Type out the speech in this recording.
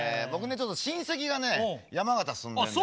ちょっと親戚がね山形住んでんねん。